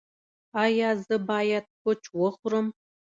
ایا زه باید کوچ وخورم؟